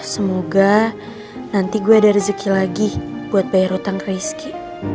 semoga nanti gue ada rezeki lagi buat bayar utang ke rizky